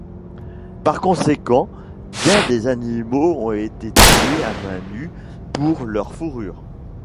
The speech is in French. Par conséquent, bien des animaux ont été tués à mains nues pour leur fourrure.